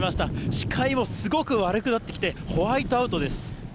視界もすごく悪くなってきて、ホワイトアウトです。